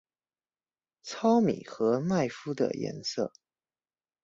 糙米跟麥麩的顏色